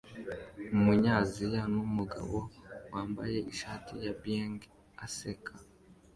Umunyaziya numugabo wambaye ishati ya beige aseka